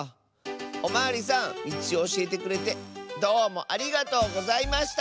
おまわりさんみちをおしえてくれてどうもありがとうございました！